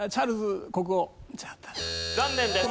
残念です。